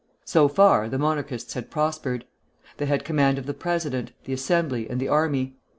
So far the Monarchists had prospered. They had command of the president, the Assembly, and the army.